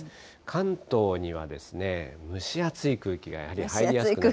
関東には蒸し暑い空気がやはり入りやすい。